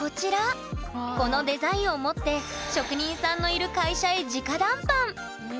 このデザインを持って職人さんがいる会社へじか談判。